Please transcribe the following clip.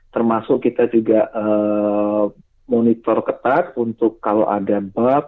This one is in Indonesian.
termasuk kita juga monitor ketat untuk kalau ada bab